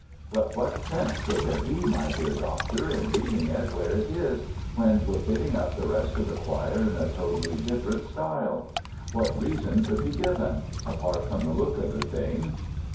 "But what sense could there be, my dear Doctor, in leaving it where it is, when we're fitting up the rest of the choir in a totally different style? What reason could be given apart from the look of the thing?"